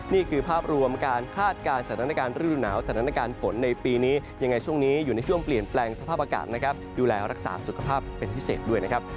นี่คือภาพรวมการคาดการณ์สถานการณ์ฤดูหนาวสถานการณ์ฝนในปีนี้ยังไงช่วงนี้อยู่ในช่วงเปลี่ยนแปลงสภาพอากาศนะครับดูแลรักษาสุขภาพเป็นพิเศษด้วยนะครับ